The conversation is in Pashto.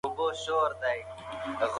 هغه کس چې مقابله کوي، نه ماتېږي.